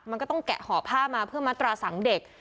มันก็ต้องแกะห่อผ้ามาเพื่อมัตราสังเด็ก